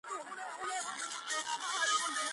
მე ვარ მეხუთე კლასელი